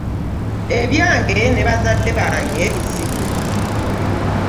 Ebyange ne bazadde bange bizibu.